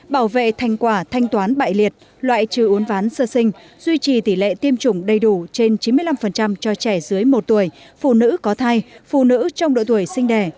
bảo vệ thành quả thanh toán bại liệt loại trừ uốn ván sơ sinh duy trì tỷ lệ tiêm chủng đầy đủ trên chín mươi năm cho trẻ dưới một tuổi phụ nữ có thai phụ nữ trong độ tuổi sinh đẻ